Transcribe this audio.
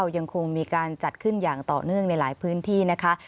ยังคงมีการจัดขึ้นอย่างต่อเนื่องในหลายพื้นที่นะคะ